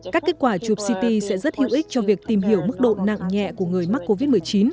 các kết quả chụp ct sẽ rất hữu ích cho việc tìm hiểu mức độ nặng nhẹ của người mắc covid một mươi chín